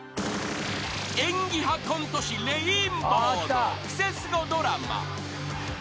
［演技派コント師レインボーの「クセスゴドラマ」］